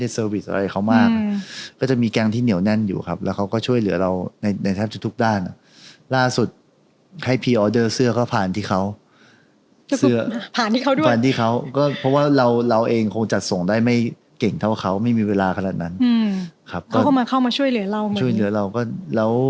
ส่วนใหญ่ในอินเทอร์เน็ตมากกว่า